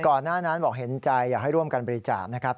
ก่อนหน้านั้นบอกเห็นใจอยากให้ร่วมกันบริจาคนะครับ